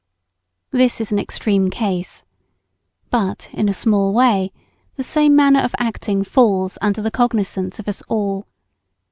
This is an extreme case. But in a small way, the same manner of acting falls under the cognizance of us all.